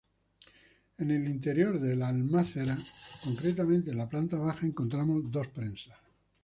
En el interior de la almácera, concretamente en el planta baja, encontramos dos prensas.